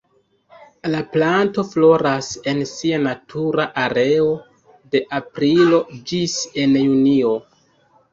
La planto floras en sia natura areo de aprilo ĝis en junio.